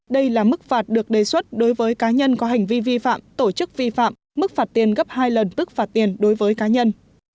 đây là mức phạt được đề xuất đối với cá nhân có hành vi vi phạm tổ chức vi phạm mức phạt tiền gấp hai lần tức phạt tiền đối với cá nhân